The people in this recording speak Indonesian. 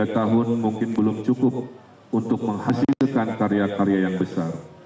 tiga tahun mungkin belum cukup untuk menghasilkan karya karya yang besar